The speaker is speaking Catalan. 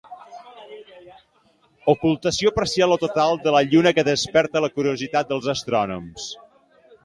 Ocultació parcial o total de la lluna que desperta la curiositat dels astrònoms.